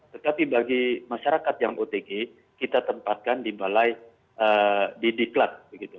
tetapi bagi masyarakat yang otg kita tempatkan di balai di diklat